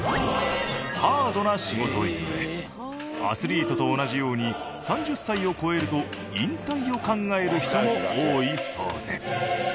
ハードな仕事ゆえアスリートと同じように３０歳を超えると引退を考える人も多いそうで。